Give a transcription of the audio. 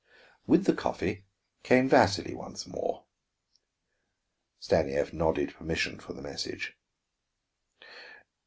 With the coffee came Vasili once more. Stanief nodded permission for the message.